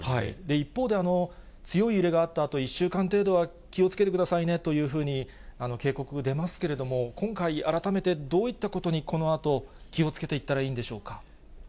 一方で、強い揺れがあったあと、１週間程度は気をつけてくださいねというふうに警告出ますけれども、今回改めて、どういったことにこのあと気をつけていったらいいんでしょうか。